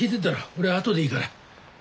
俺あとでいいから。